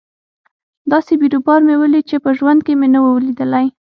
داسې بيروبار مې وليد چې په ژوند کښې مې نه و ليدلى.